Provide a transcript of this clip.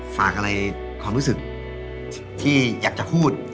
ฝากอะไรความรู้สึกที่อยากจะพูด